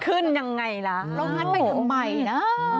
ขึ้นยังไงล่ะแล้วงัดไปทำไมนะ